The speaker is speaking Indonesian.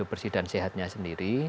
bersih dan sehatnya sendiri